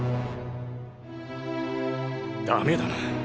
ダメだな